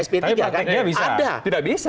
tapi praktiknya bisa tidak bisa